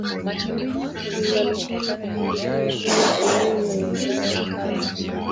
muungano huo utatetea kila eneo la nchi yake